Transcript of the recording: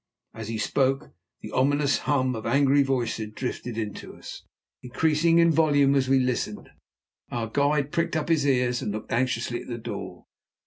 As he spoke the ominous hum of angry voices drifted in to us, increasing in volume as we listened. Our guide pricked up his ears and looked anxiously at the door.